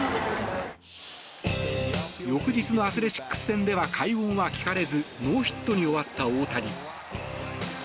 翌日のアスレチックス戦では快音は聞かれずノーヒットに終わった大谷。